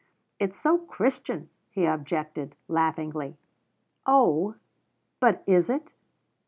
"It's so Christian," he objected laughingly. "Oh, but is it?"